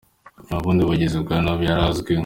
Nta bundi bigizi bwa nabi yari azwiko.